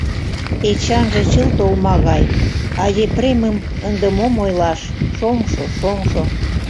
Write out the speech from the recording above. Эчанже чылт олма гай, а Епремым ынде мом ойлаш, шоҥшо, шоҥшо!